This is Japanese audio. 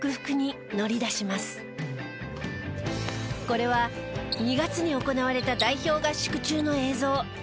これは２月に行われた代表合宿中の映像。